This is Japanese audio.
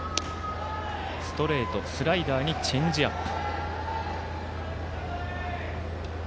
ストレート、スライダーにチェンジアップ。